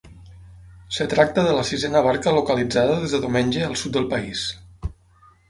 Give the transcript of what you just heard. Es tracta de la sisena barca localitzada des de diumenge al sud del país.